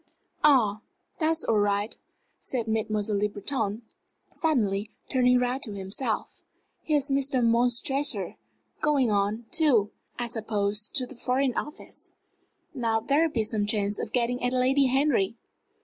"Ah, that's all right!" said Mademoiselle Le Breton, suddenly, turning round to himself. "Here is Mr. Montresor going on, too, I suppose, to the Foreign Office. Now there'll be some chance of getting at Lady Henry."